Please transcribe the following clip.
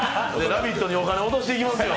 「ラヴィット！」にお金落としていきますよ。